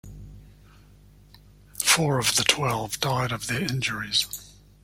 Four of the twelve died of their injuries.